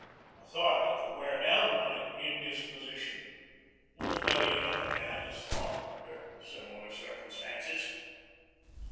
I thought I could wear down my indisposition, as many another man has thought under similar circumstances.